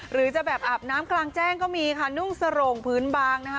หรือจะแบบอาบน้ำกลางแจ้งก็มีค่ะนุ่งสโรงพื้นบางนะคะ